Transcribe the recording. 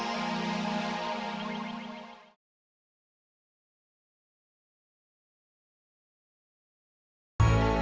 aku sudah akan pulang ke dunia luar